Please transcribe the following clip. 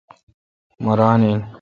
مہ ران این ۔